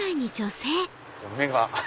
目が。